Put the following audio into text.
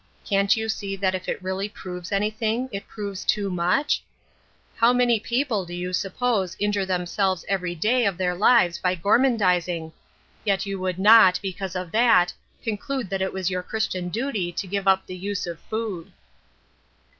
Can't you really see that if it proves anything, it proves too much ? How many people do you suppose injure themselves everyday of their lives by gormandizing ? Yet you would not, because of that, conclude that it was your Christian duty to give up the use of food."